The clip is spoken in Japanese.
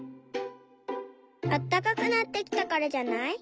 あったかくなってきたからじゃない？